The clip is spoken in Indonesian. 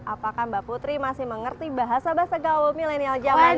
apakah mbak putri masih mengerti bahasa bahasa gaul milenial zaman ini